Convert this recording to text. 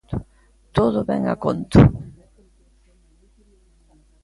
_Todo ven a conto.